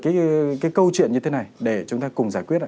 cái câu chuyện như thế này để chúng ta cùng giải quyết ạ